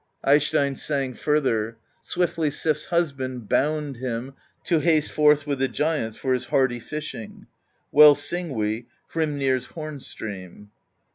Eysteinn sang further: Swiftly SiPs Husband bouned him To haste forth with the Giants For his hardy fishing: Well sing we Hrimnir's horn stream.